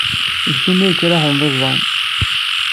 D kemm ay yettraḥen d iẓẓan.